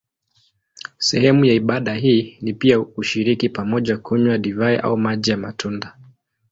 Sehemu ya ibada hii ni pia kushiriki pamoja kunywa divai au maji ya matunda.